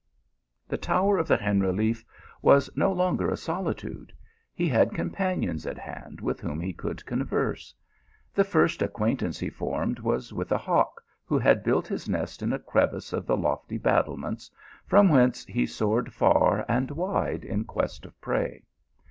The tower of the Generaliffe was no longer a soli tude ; he had companions at hand with whom he could converse. The first acquaintance he formed was with a hawk who built his nest in a crevice of the lofty battlements, from whence he soared far &T.d wide in quest of prey.